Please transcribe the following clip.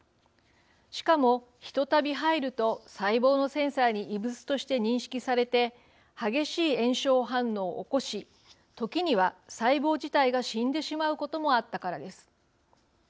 しかもひとたび入ると細胞のセンサーに異物として認識されて激しい炎症反応を起こし時には細胞自体が死んでしまうこともあったからです。